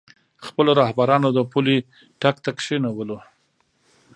خپلو رهبرانو د پولۍ ټک ته کېنولو.